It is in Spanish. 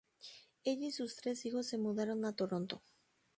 Ella y sus tres hijos se mudaron a Toronto.